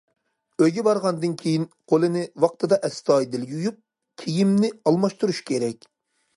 ئۆيگە بارغاندىن كېيىن قولىنى ۋاقتىدا ئەستايىدىل يۇيۇپ، كىيىمنى ئالماشتۇرۇش كېرەك.